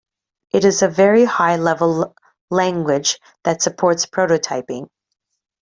It is a very-high level language that supports prototyping.